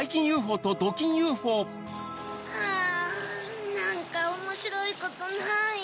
ふぁなんかおもしろいことない？